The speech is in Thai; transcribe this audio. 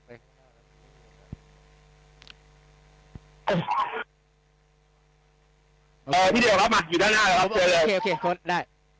พี่เดลล์ครับอยู่ด้านหน้าแล้วครับเผื่อเลย